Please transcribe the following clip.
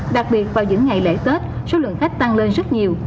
đặc biệt vào những ngày lễ tết số lượng khách tăng lên rất nhiều